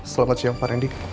selamat siang pak randy